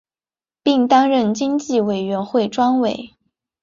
并担任经济委员会专委。